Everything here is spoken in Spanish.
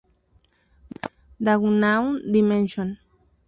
The Unknown Dimension.